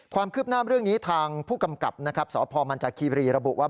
ความคืบหน้าเรื่องนี้ทางผู้กำกับนะครับสพมันจากคีบรีระบุว่า